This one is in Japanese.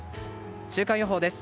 週間予報です。